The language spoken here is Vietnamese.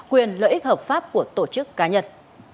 quyền lợi ích hợp pháp của tổ chức cá nhân